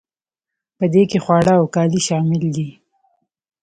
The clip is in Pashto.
په دې کې خواړه او کالي شامل دي.